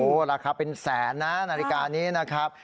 ราคาเป็นแสนนะนาฬิกานี้นะครับ